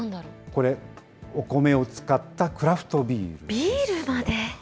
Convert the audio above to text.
これ、お米を使ったクラフトビールです。